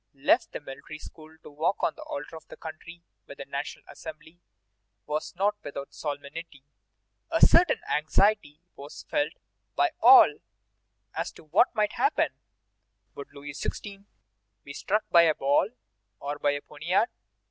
left the Military School to walk to the Altar of the Country with the National Assembly was not without solemnity. A certain anxiety was felt by all as to what might happen. Would Louis XVI. be struck by a ball or by a poniard?